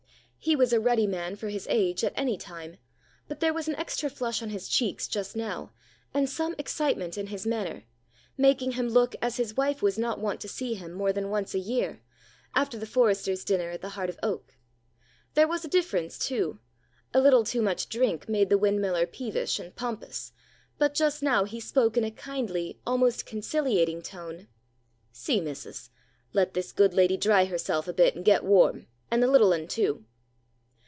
He was a ruddy man for his age at any time, but there was an extra flush on his cheeks just now, and some excitement in his manner, making him look as his wife was not wont to see him more than once a year, after the Foresters' dinner at the Heart of Oak. There was a difference, too. A little too much drink made the windmiller peevish and pompous, but just now he spoke in a kindly, almost conciliating tone. "See, missus! Let this good lady dry herself a bit, and get warm, and the little un too."